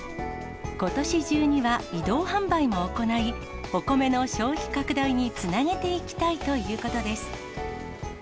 ことし中には移動販売も行い、お米の消費拡大につなげていきたいということです。